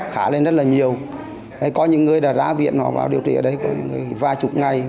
khá lên rất là nhiều có những người đã ra viện họ vào điều trị ở đây có những người vài chục ngày